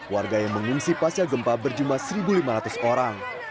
warga yang mengungsi pasca gempa berjumlah satu lima ratus orang